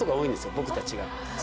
僕たちが。